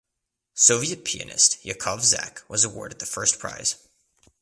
Soviet pianist Yakov Zak was awarded the first prize.